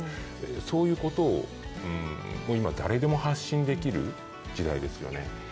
そういうことを、今誰でも発信できる時代ですよね。